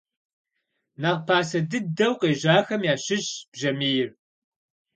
Нэхъ пасэ дыдэу къежьахэм ящыщщ бжьамийр.